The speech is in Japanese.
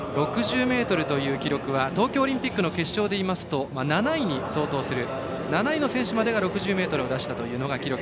６０ｍという記録は東京オリンピックの決勝でいいますと７位に相当する７位の選手までが６０ｍを出したというのが記録。